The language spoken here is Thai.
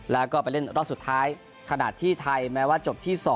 แล้วก็ไปเล่นรอบสุดท้ายขณะที่ไทยแม้ว่าจบที่๒